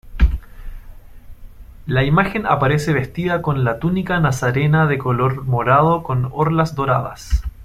La imagen aparece vestida con la túnica nazarena de color morado con orlas doradas.